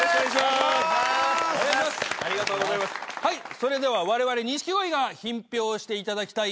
それでは我々錦鯉が品評していただきたい